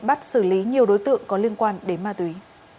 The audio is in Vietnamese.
bắt xử lý nhiều đối tượng có liên quan đến ma túy